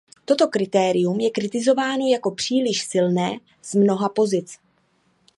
Toto kritérium je kritizováno jako "příliš silné" z mnoha pozic.